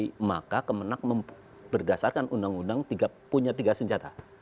maka kemenang berdasarkan undang undang punya tiga senjata